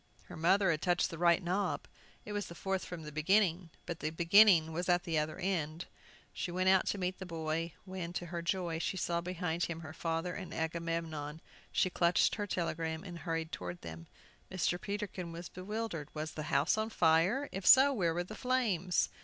Her mother had touched the right knob. It was the fourth from the beginning; but the beginning was at the other end! She went out to meet the boy, when, to her joy, she saw behind him her father and Agamemnon. She clutched her telegram, and hurried toward them. Mr. Peterkin was bewildered. Was the house on fire? If so, where were the flames?